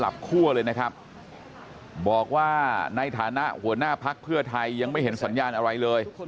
บอกว่าในฐานะหัวหน้าภัคเพื่อไทยยังไม่เห็นสัญญาณอะไรเลย